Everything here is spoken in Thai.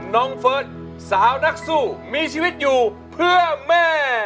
เฟิร์สสาวนักสู้มีชีวิตอยู่เพื่อแม่